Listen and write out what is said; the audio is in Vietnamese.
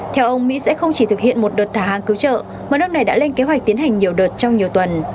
theo ông mỹ sẽ không chỉ thực hiện một đợt thả hàng cứu trợ mà nước này đã lên kế hoạch tiến hành nhiều đợt trong nhiều tuần